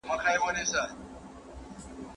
تاسو د مثبت ذهنیت سره د ژوند له هري شېبې خوند اخلئ.